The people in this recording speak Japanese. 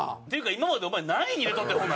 今までお前何位に入れとってん？